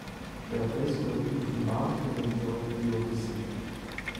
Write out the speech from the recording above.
There are places where people can barbecue and enjoy the view of the sea.